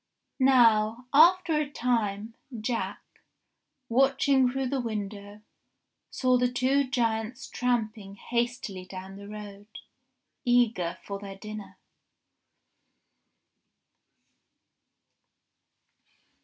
Now, after a time, Jack, watching through the window, saw the two giants tramping hastily down the road, eager for their dinner.